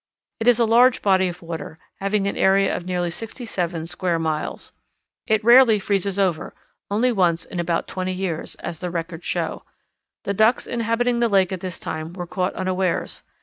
It is a large body of water, having an area of nearly sixty seven square miles. It rarely freezes over only once in about twenty years, as the records show. The Ducks inhabiting the lake at this time were caught unawares.